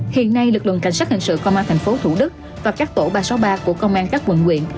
hiện nay lực lượng cảnh sát hình sự công an thành phố thủ đức và các tổ ba trăm sáu mươi ba của công an các quận quyền